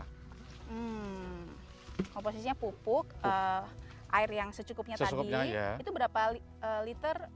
komposisinya pupuk air yang secukupnya tadi itu berapa liter